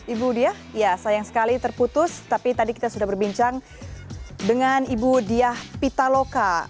ibu diah ya sayang sekali terputus tapi tadi kita sudah berbincang dengan ibu diah pitaloka